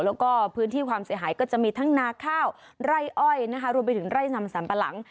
แล้วก็พื้นที่ความเสียหายก็จะมีทั้งนาข้าวไร่อ้อยนะคะรวมไปถึงไร่นำสัมปะหลัง